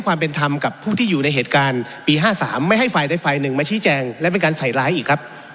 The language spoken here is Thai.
ผมอนุญาตแล้วครับ